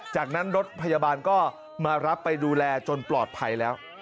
จากนั้นรถพยาบาลก็มารับไปดูแลจนปลอดภัยแล้ว